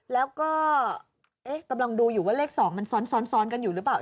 แล้วก็กำลังดูอยู่ว่าเลข๒มันซ้อนกันอยู่หรือเปล่า